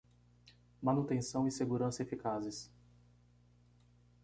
Manutenção e segurança eficazes